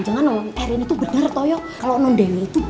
sumpah mati kau rusak jiwa aku